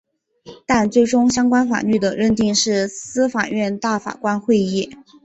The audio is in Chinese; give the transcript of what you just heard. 但最终相关法律的认定是司法院大法官会议。